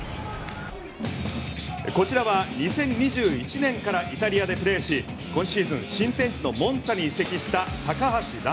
こちらは２０２１年からイタリアでプレーし今シーズン新天地のモンツァに移籍した高橋藍。